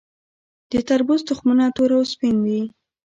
د تربوز تخمونه تور او سپین وي.